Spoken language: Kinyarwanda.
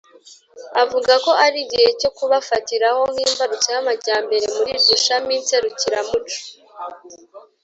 avuga ko ari igihe cyo kubifatiraho nk'imbarutso y'amajyambere muri iryo shami nserukiramuco.